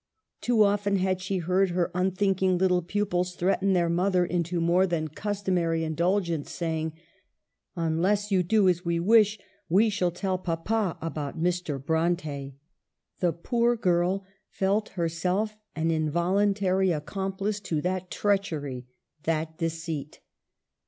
Too often had she heard her unthinking little pupils threaten their mother into more than customary indulgence, saying :" Unless you do as we wish, we shall tell papa about Mr. Bronte." The poor girl felt herself an involuntary accomplice to that treachery, that deceit.